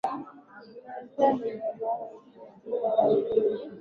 zina majira mawili tu ambayo ni majirajoto na majirabaridi yenye